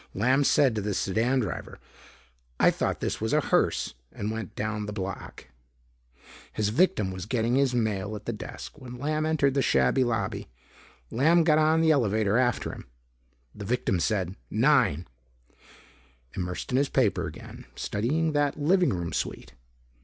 Lamb said to the sedan driver, "I thought this was a hearse" and went down the block. His victim was getting his mail at the desk when Lamb entered the shabby lobby. Lamb got on the elevator after him. The victim said "nine," immersed in his paper again, studying that living room suite.